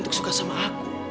untuk suka sama aku